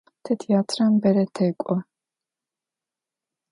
Тэ театрэм бэрэ тэкӏо.